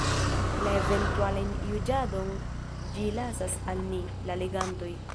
La eventualan juĝadon ĝi lasas al ni, la legantoj.